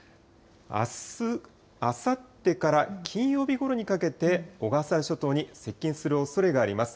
あす、あさってから金曜日ごろにかけて、小笠原諸島に接近するおそれがあります。